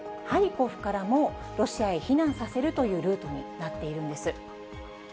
ハリコフからも、ロシアへ避難させるというルートになっているんです。